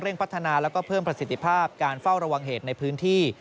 พัฒนาแล้วก็เพิ่มประสิทธิภาพการเฝ้าระวังเหตุในพื้นที่